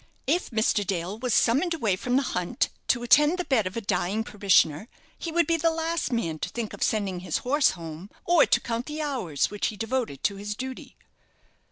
If Mr. Dale was summoned away from the hunt to attend the bed of a dying parishioner, he would be the last man to think of sending his horse home, or to count the hours which he devoted to his duty."